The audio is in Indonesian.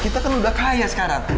kita kan udah kaya sekarang